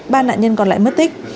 ba nạn nhân còn lại mất tích